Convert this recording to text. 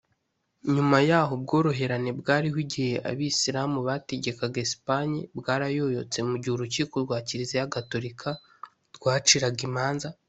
nyuma yaho, ubworoherane bwariho igihe abisilamu bategekaga esipanye bwarayoyotse mu gihe urukiko rwa kiliziya gatolika rwaciraga imanza